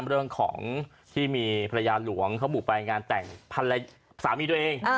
เรื่องของที่มีภรรยาหลวงเขาบุกไปงานแต่งสามีตัวเอง